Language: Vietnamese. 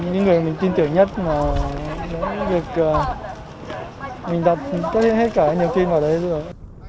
những người mình tin tưởng nhất là những việc mình đặt hết cả niềm tin vào đấy rồi